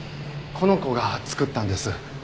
この子が作ったんです。